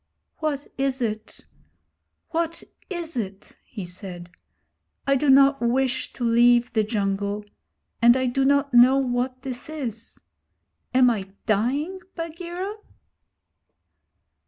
'What is it? What is it?' he said. 'I do not wish to leave the jungle, and I do not know what this is. Am I dying, Bagheera?'